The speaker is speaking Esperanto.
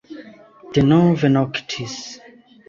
Denove noktis.